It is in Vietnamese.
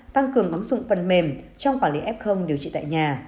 tăng cường ứng dụng phần mềm trong quản lý f điều trị tại nhà